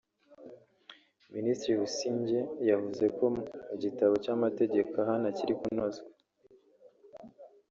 Minisitiri Busingye yavuze ko mu gitabo cy’amategeko ahana kiri kunozwa